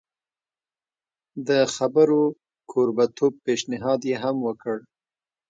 د خبرو کوربه توب پېشنهاد یې هم وکړ.